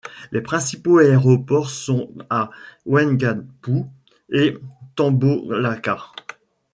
Les principaux aéroports sont à Waingapu et Tambolaka.